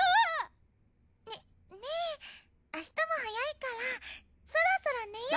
ねねえ明日も早いからそろそろ寝よ。